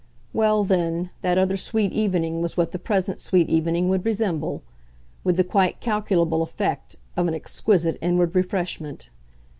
Well then, that other sweet evening was what the present sweet evening would resemble; with the quite calculable effect of an exquisite inward refreshment.